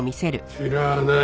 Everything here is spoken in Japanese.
知らない。